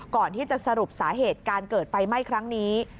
ก่อนที่จะสรุปสาเหตุการเกิดไฟไหม้ครั้งนี้